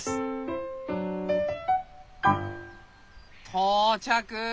到着！